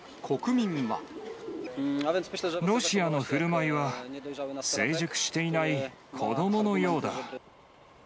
ロシアのふるまいは、成熟していない子どものようだ。